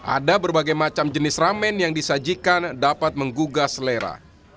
ada berbagai macam jenis ramen yang disajikan dapat menggugah selera